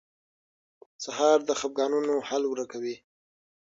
سهار د خفګانونو حل ورکوي.